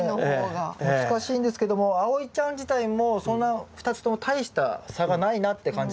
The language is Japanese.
これね難しいんですけどもあおいちゃん自体もそんな２つとも大した差がないなって感じたそうなんですよ。